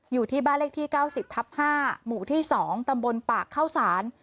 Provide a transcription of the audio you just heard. อยู่ที่บ้านเลขที่เก้าสิบทับห้าหมู่ที่สองตำบลปากเข้าสาร